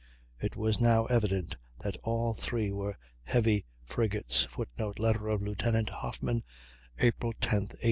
It was now evident that all three were heavy frigates. [Footnote: Letter of Lieutenant Hoffman, April 10, 1815.